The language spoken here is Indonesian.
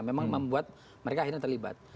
memang membuat mereka akhirnya terlibat